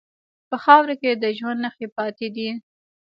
په خاوره کې د ژوند نښې پاتې دي.